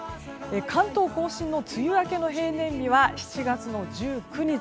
関東・甲信の梅雨明けの平年日は７月１９日。